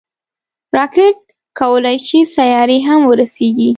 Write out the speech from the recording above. راکټ کولی شي سیارې هم ورسیږي